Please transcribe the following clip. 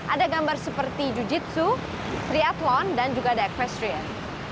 ada gambar seperti jujitsu triathlon dan juga ada equestrian